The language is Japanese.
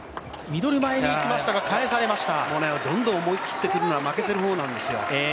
どんどん思い切ってくるのは負けてる方なんですよ。